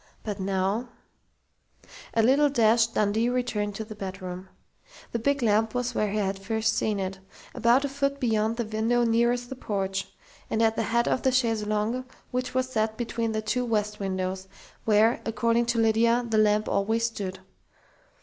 But now A little dashed, Dundee returned to the bedroom. The big lamp was where he had first seen it about a foot beyond the window nearest the porch, and at the head of the chaise longue which was set between the two west windows, where, according to Lydia, the lamp always stood.